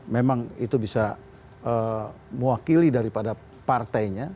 memang itu bisa mewakili daripada partainya